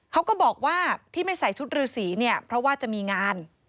เขาก็บอกว่าที่ไม่ใส่ชุดรือสีเนี่ยเพราะว่าจะมีงาน